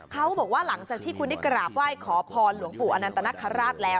เขาบอกว่าหลังจากที่คุณได้กราบไหว้ขอพรหลวงปู่อนันตนคราชแล้ว